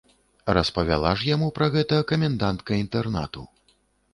Распавяла ж яму пра гэта камендантка інтэрнату.